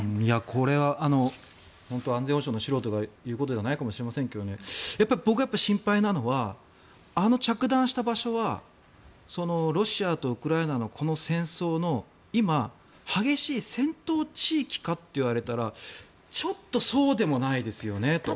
これは本当安全保障の素人が言うことではないかもしれませんが僕が心配なのはあの着弾した場所はロシアとウクライナのこの戦争の今、激しい戦闘地域かって言われたらちょっとそうでもないですよねと。